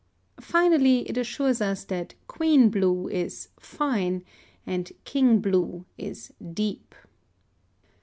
Finally, it assures us that Queen blue is "fine" and King blue is "deep."